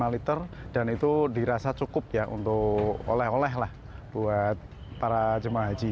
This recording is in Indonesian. lima liter dan itu dirasa cukup ya untuk oleh oleh lah buat para jemaah haji